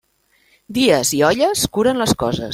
Dies i olles curen les coses.